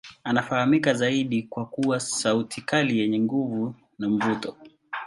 Anafahamika zaidi kwa kuwa sauti kali yenye nguvu na mvuto.